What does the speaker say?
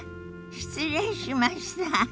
失礼しました。